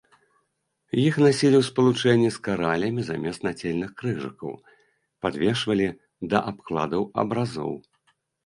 Іх насілі ў спалучэнні з каралямі, замест нацельных крыжыкаў, падвешвалі да абкладаў абразоў.